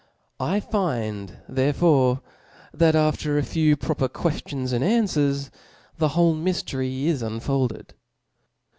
I find therefore that after a few proper qucftions and anfwcrs, the whole myftery is unfolded.